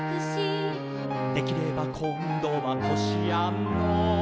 「できればこんどはこしあんの」